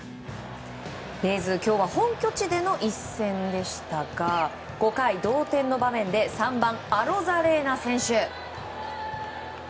レイズ、今日は本拠地での一戦でしたが５回、同点の場面で３番、アロザレーナ選手。